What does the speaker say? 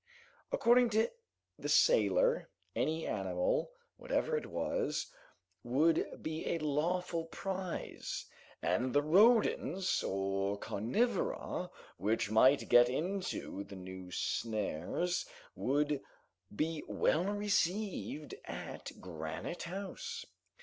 According to the sailor, any animal, whatever it was, would be a lawful prize, and the rodents or carnivora which might get into the new snares would be well received at Granite House.